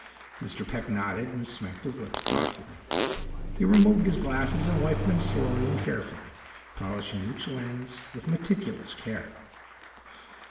Mr. Peck nodded and smacked his lips thoughtfully. He removed his glasses and wiped them slowly and carefully, polishing each lens with meticulous care.